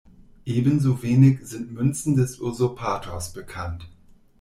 Ebenso wenig sind Münzen des Usurpators bekannt.